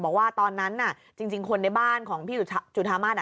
บอกว่าตอนนั้นจริงคนในบ้านของพี่จุธามาศ